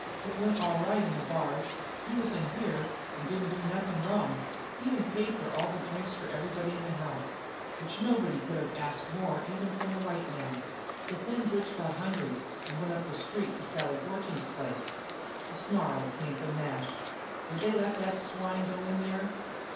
It went all right in the bars. He was in here and didn't do nothin' wrong. Even paid for all the drinks for everybody in the house, which nobody could ask more even from a white man. But then Butch got hungry and went up the street to Sally Fortune's place." A snarl came from Nash. "Did they let that swine go in there?"